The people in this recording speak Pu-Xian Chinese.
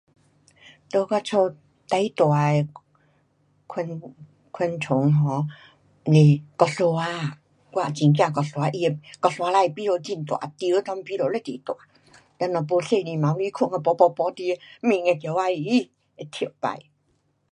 在我家最大的昆，昆虫 um 是蟑螂啊，我也很怕蟑螂，他的蟑螂屎味道很大，厨的内味道非常大，等下不小心晚上睡被爬爬爬你的脸的起来，咦，会跳起。